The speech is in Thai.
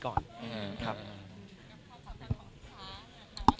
ก็มีไปคุยกับคนที่เป็นคนแต่งเพลงแนวนี้